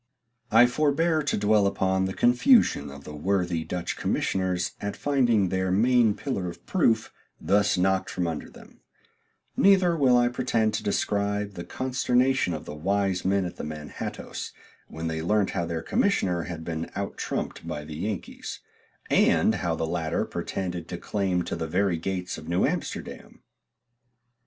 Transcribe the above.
I forbear to dwell upon the confusion of the worthy Dutch commissioners at finding their main pillar of proof thus knocked from under them; neither will I pretend to describe the consternation of the wise men at the Manhattoes when they learnt how their commissioner, had been out trumped by the Yankees, and how the latter pretended to claim to the very gates of New Amsterdam.